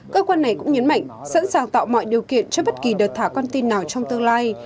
cơ quan này cũng nhấn mạnh sẵn sàng tạo mọi điều kiện cho bất kỳ đợt thả con tin nào trong tương lai